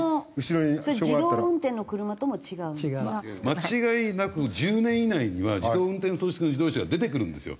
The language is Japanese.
間違いなく１０年以内には自動運転装置付きの自動車が出てくるんですよ。